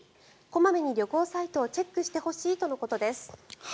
小まめに旅行サイトをチェックしてほしいとのことです。